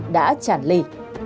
đã chản lì